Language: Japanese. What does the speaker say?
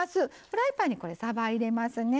フライパンにさば入れますね。